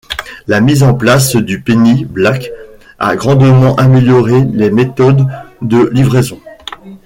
La mise en place du Penny Black a grandement amélioré les méthodes de livraison.